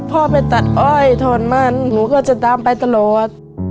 พ่อไปตัดอ้อยถอนมันหนูก็จะตามไปตลอด